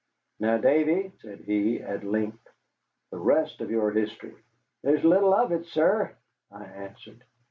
"Now, Davy," said he, at length, "the rest of your history." "There is little of it, sir," I answered.